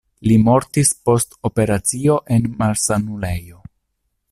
Li mortis post operacio en malsanulejo.